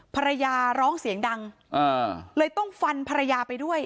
ภรรยาร้องเสียงดังเลยต้องฟันภรรยาไปด้วย